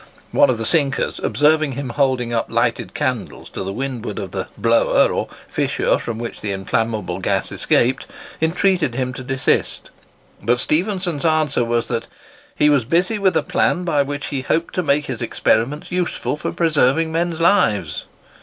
One of the sinkers, observing him holding up lighted candles to the windward of the "blower" or fissure from which the inflammable gas escaped, entreated him to desist; but Stephenson's answer was, that "he was busy with a plan by which he hoped to make his experiments useful for preserving men's lives."